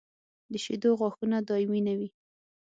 د شېدو غاښونه دایمي نه وي.